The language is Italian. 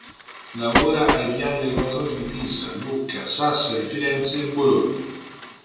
Lavora ai piani regolatori di Pisa, Lucca, Sassari, Firenze e Bologna.